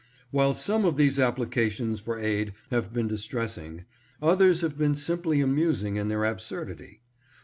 While some of these applications for aid have been dis tressing, others have been simply amusing in their absurdity.